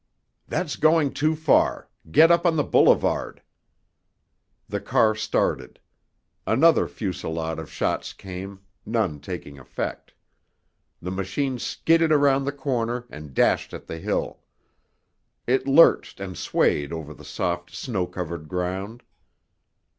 "That's going too far. Get up on the boulevard!" The car started. Another fusillade of shots came, none taking effect. The machine skidded around the corner and dashed at the hill. It lurched and swayed over the soft, snow covered ground.